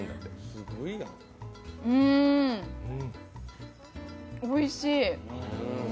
うーん、おいしい。